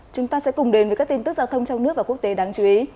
chúng ta sẽ cùng đến với các tin tức giao thông trong nước và quốc tế đáng chú ý